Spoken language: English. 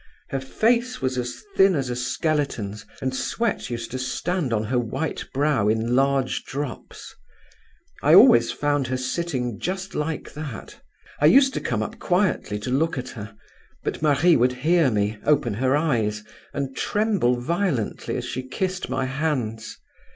Her face was as thin as a skeleton's, and sweat used to stand on her white brow in large drops. I always found her sitting just like that. I used to come up quietly to look at her; but Marie would hear me, open her eyes, and tremble violently as she kissed my hands.